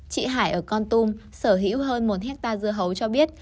chị hải ở con tum sở hữu hơn một hectare dưa hấu cho biết